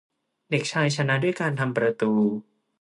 เด็กชายชนะด้วยการทำประตู